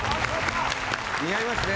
似合いますね。